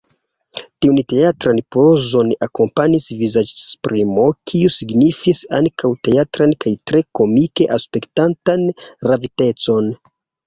Tiun teatran pozon akompanis vizaĝesprimo, kiu signifis ankaŭ teatran kaj tre komike aspektantan ravitecon.